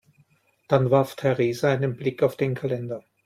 Dann warf Theresa einen Blick auf den Kalender.